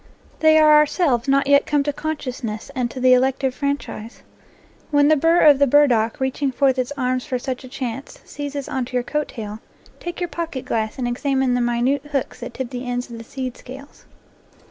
They are ourselves not yet come to consciousness and to the elective franchise. When the burr of the bur dock, reaching forth its arms for such a chance, seizes on to your coat tail, take your pocket glass and examine the minute hooks that tip the ends of the seed scales.